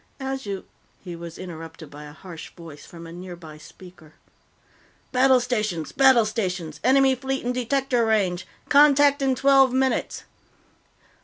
As you " He was interrupted by a harsh voice from a nearby speaker. "_Battle stations! Battle stations! Enemy fleet in detector range! Contact in twelve minutes!